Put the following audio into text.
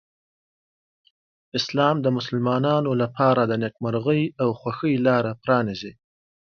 اسلام د مسلمانانو لپاره د نېکمرغۍ او خوښۍ لاره پرانیزي.